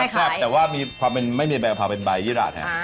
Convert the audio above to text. คล้ายแต่ว่ามีความเป็นไม่มีกะเพราเป็นบายีราแท้